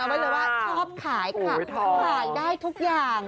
เอาเปลี่ยนว่าชอบขายขายได้ทุกอย่าง